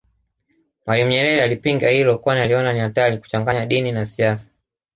Mwalimu Nyerere alipinga hilo kwani aliona ni hatari kuchanganya dini na siasa